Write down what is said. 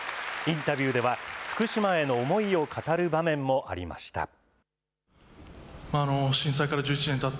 インタビューでは、福島への思いを語る場面もありました。